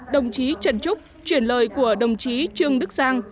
đồng chí trần trúc chuyển lời của đồng chí trương đức sang